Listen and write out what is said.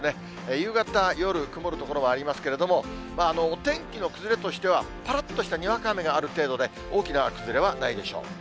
夕方、夜、曇る所もありますけれども、お天気の崩れとしては、ぱらっとしたにわか雨がある程度で、大きな崩れはないでしょう。